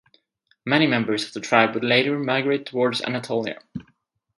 Many members of the tribe would later migrate towards Anatolia.